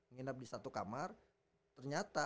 nginap di satu kamar ternyata